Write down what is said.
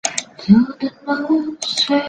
西圣若昂是巴西圣卡塔琳娜州的一个市镇。